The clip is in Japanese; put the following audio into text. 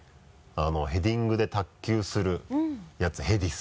ヘディングで卓球するやつヘディス。